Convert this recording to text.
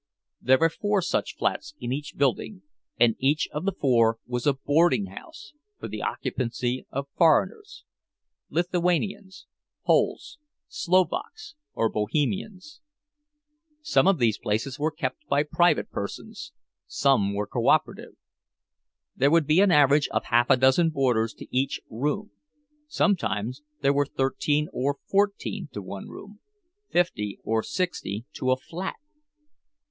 There were four such flats in each building, and each of the four was a "boardinghouse" for the occupancy of foreigners—Lithuanians, Poles, Slovaks, or Bohemians. Some of these places were kept by private persons, some were cooperative. There would be an average of half a dozen boarders to each room—sometimes there were thirteen or fourteen to one room, fifty or sixty to a flat.